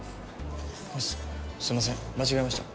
あっすすみません間違えました。